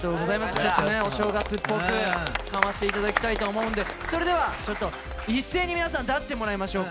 お正月っぽくかましていただきたいと思うんでそれでは一斉に皆さん出していただきましょうか。